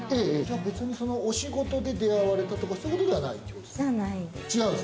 別にお仕事で出会われたとかそういうわけではないと。